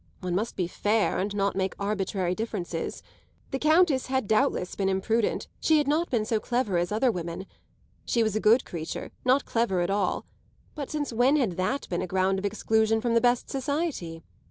One must be fair and not make arbitrary differences: the Countess had doubtless been imprudent, she had not been so clever as other women. She was a good creature, not clever at all; but since when had that been a ground of exclusion from the best society?